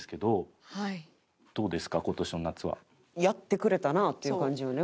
やってくれたなっていう感じよね